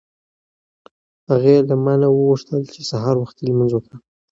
هغې له ما نه وغوښتل چې سهار وختي لمونځ وکړه.